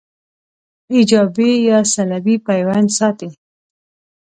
ایجابي یا سلبي پیوند ساتي